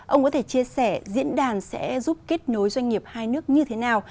ông có thể chia sẻ diễn đàn sẽ giúp kết nối doanh nghiệp hai nước như thế nào